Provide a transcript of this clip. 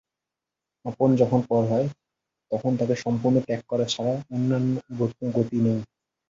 আপন যখন পর হয় তখন তাঁকে সম্পূর্ণ ত্যাগ করা ছাড়া আন্য কোনো গতি নেই।